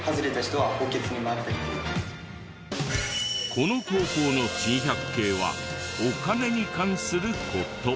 この高校の珍百景はお金に関する事。